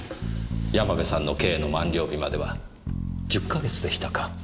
山部さんの刑の満了日までは１０か月でしたか。